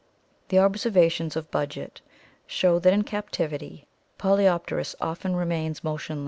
The observations of Budgett show that in captivity Polypterus often remains motionless for a Fio.